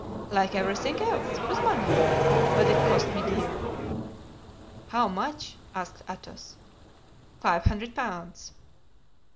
"Like everything else, with money; but it cost me dear." "How much?" asked Athos. "Five hundred pounds."